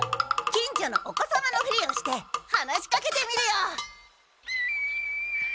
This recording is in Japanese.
近所のお子様のふりをして話しかけてみるよ。